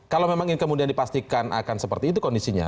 kalau memang ini kemudian dipastikan akan seperti itu kondisinya